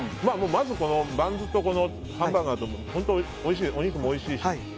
まずバンズとハンバーガーと本当おいしい、お肉もおいしいし。